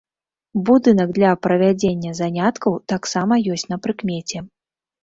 Будынак для правядзення заняткаў таксама ёсць на прыкмеце.